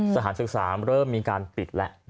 สถานศึกษาเริ่มมีการปิดแล้ว